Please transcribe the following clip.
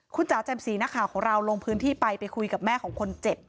คุณจ๋าแจ่มสีนักข่าวของเราลงพื้นที่ไปไปคุยกับแม่ของคนเจ็บ